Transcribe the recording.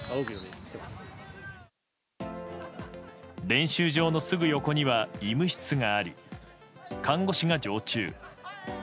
練習場のすぐ横には医務室があり看護師が常駐。